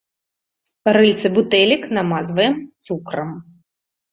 Рыльцы бутэлек намазваем цукрам.